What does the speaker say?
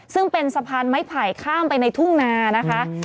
ซึ่งเป็นสะพานไม้ไผ่ข้ามไปในทุ่งนานะคะ